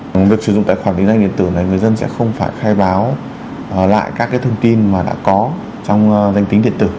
việc sử dụng tài khoản định danh điện tử này người dân sẽ không phải khai báo lại các thông tin mà đã có trong danh tính điện tử